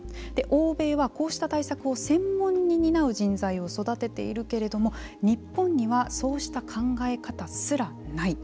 欧米は、こうした対策を専門に担う人材を育てているけれども日本にはそうした考え方すらない。